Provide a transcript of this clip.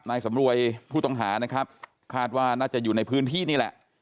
นายสำรวยผู้ต้องหานะครับคาดว่าน่าจะอยู่ในพื้นที่นี่แหละ